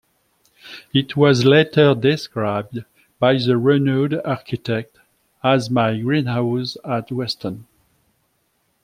It was later described by the renowned architect as "my greenhouse at Weston".